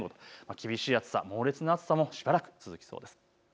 厳しい暑さ、猛烈な暑さもしばらく続きそうです。